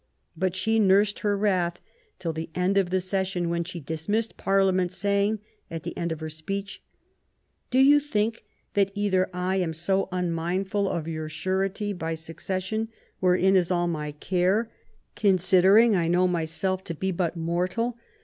But she nursed her wrath till the end of the session, when she dismissed Parliament, saying at the end of her speech :—" Do you think that either I am so unmindful of your surety by succession, wherein is all my care, considering I know myself to be but mortal